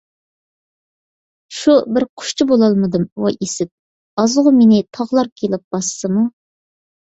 شۇ بىر قۇشچە بولالمىدىم ۋاي ئىسىت، ئازغۇ مېنى تاغلار كېلىپ باسسىمۇ.